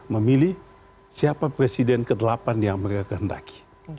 memilih siapa presiden ke delapan yang mereka kehendaki